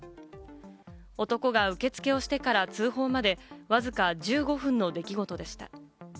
男が受付をしてから通報まで、わずか１５分の出来事でした。